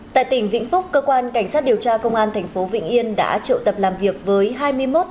tại tỉnh vĩnh phúc cơ quan cảnh sát điều tra công an tp vịnh yên đã trợ tập làm việc với hai mươi một đối tượng